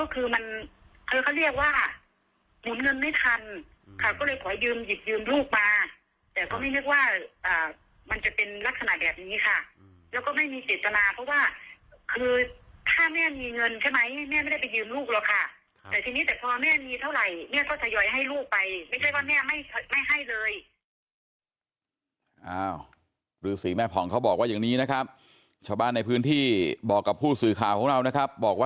คือถ้าแม่มีเงินใช่ไหมแม่ไม่ได้ไปยืมลูกหรอกค่ะ